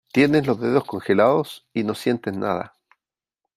tienes los dedos congelados y no sientes nada .